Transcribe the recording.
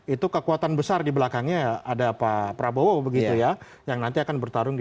itu kekuatan besar di belakangnya ada pak prabowo begitu ya yang nanti akan bertarung di dua ribu sembilan belas